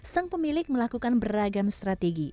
sang pemilik melakukan beragam strategi